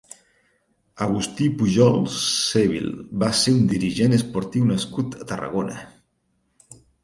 Agustí Pujol Sevil va ser un dirigent esportiu nascut a Tarragona.